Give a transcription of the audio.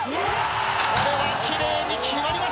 これは奇麗に決まりました。